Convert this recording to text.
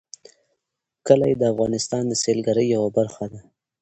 کلي د افغانستان د سیلګرۍ یوه برخه ده.